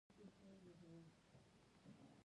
بادام د افغانستان د ځانګړي ډول جغرافیې استازیتوب کوي.